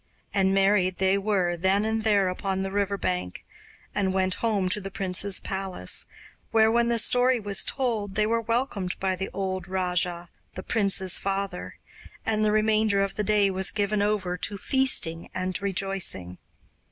And married they were then and there upon the river bank, and went home to the prince's palace, where, when the story was told, they were welcomed by the old rajah, the prince's father, and the remainder of the day was given over to feasting and rejoicing.